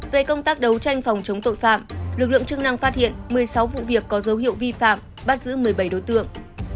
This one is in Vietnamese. về công tác đấu tranh phòng chống tội phạm lực lượng chức năng phát hiện một mươi sáu vụ việc có dấu hiệu vi phạm bắt giữ một mươi bảy đối tượng